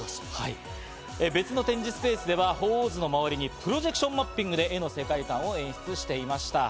別の展示スペースでは鳳凰図の周りにプロジェクションマッピングで、絵の世界感を演出していました。